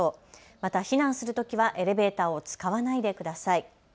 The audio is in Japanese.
また避難するときはエレベーターを使わないでください。